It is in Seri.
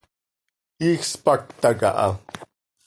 Iij spacta caha.